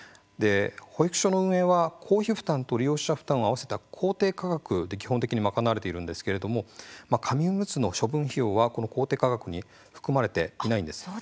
保育所の運営は公費負担と利用者負担を合わせた公定価格で基本的に賄われているんですけれども紙おむつの処分費用はこの公定価格に含まれていないんです。